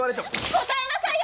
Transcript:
答えなさいよ！